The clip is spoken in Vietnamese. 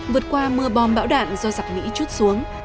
vượt qua mưa bom bão đạn do giặc mỹ chút xuống